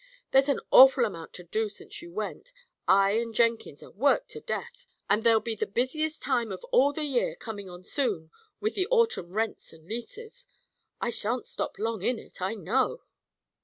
There's an awful amount to do since you went. I and Jenkins are worked to death. And there'll be the busiest time of all the year coming on soon, with the autumn rents and leases. I shan't stop long in it, I know!"